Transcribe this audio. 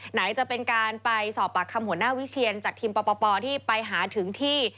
ไหนจะเป็นการไปสอบปากคำหัวหน้าวิเชียนจากทีมปปที่ไปหาถึงที่